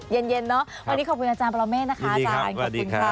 เย็นเนอะวันนี้ขอบคุณอาจารย์ปรเมฆนะคะอาจารย์ขอบคุณค่ะ